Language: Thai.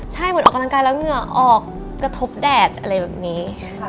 ใช่เหมือนออกกำลังกายแล้วเหงื่อออกกระทบแดดอะไรแบบนี้ค่ะ